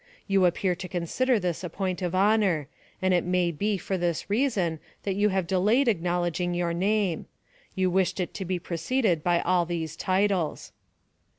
You appear to consider this a point of honor, and it may be for this reason, that you have delayed acknowledging your name. You wished it to be preceded by all these titles."